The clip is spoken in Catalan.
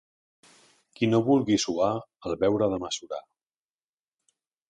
Qui no vulgui suar el beure ha de mesurar.